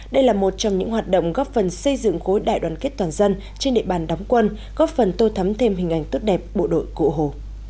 đây là một trong những hoạt động góp phần xây dựng khối đại đoàn kết toàn dân trên địa bàn đóng quân góp phần tô thắm thêm hình ảnh tốt đẹp bộ đội cụ hồ